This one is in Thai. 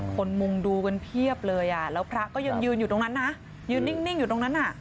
มุงดูกันเพียบเลยอ่ะแล้วพระก็ยังยืนอยู่ตรงนั้นนะยืนนิ่งอยู่ตรงนั้นน่ะ